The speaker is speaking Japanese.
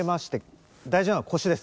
大事なのは腰です。